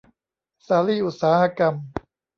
สาลี่อุตสาหกรรม